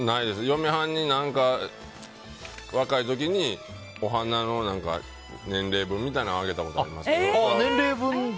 嫁はんに若い時にお花の何か年齢分みたいなのはあげたことありますけど。